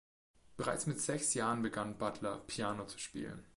Bereits mit sechs Jahren begann Butler, Piano zu spielen.